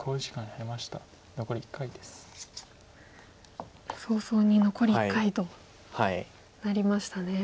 早々に残り１回となりましたね。